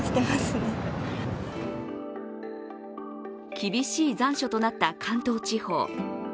厳しい残暑となった関東地方。